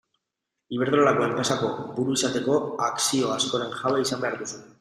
Iberdrolako enpresako buru izateko akzio askoren jabe izan behar duzu.